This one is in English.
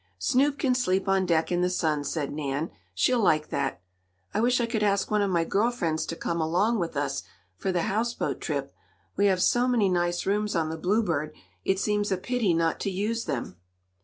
"Snoop can sleep on deck in the sun," said Nan. "She'll like that. I wish I could ask one of my girl friends to come along with us for the houseboat trip. We have so many nice rooms on the Bluebird it seems a pity not to use them."